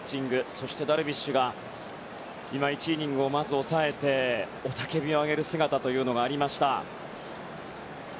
そしてダルビッシュが今、１イニングをまず抑えて雄たけびを上げる姿というのがありました。